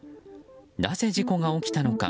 なぜ事故が起きたのか。